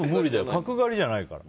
角刈りじゃないから。